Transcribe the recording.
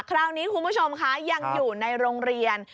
คราวนี้คุณผู้ชมค่ะยังอยู่ในโรงเรียน